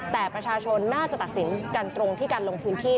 แต่ประชาชนน่าจะตัดสินกันตรงที่การลงพื้นที่